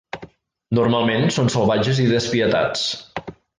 Normalment són salvatges i despietats.